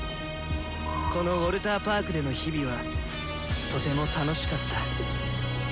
このウォルターパークでの日々はとても楽しかった。